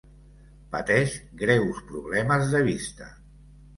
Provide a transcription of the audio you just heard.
Pateix greus problemes de vista.